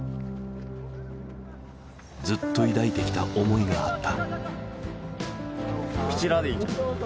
ずっと抱いてきた思いがあった。